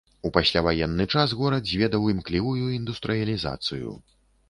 У пасляваенны час горад зведаў імклівую індустрыялізацыю.